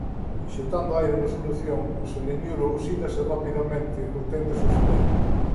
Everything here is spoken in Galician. Inxectando aire na solución o seleniuro se oxida rapidamente obténdose o selenio.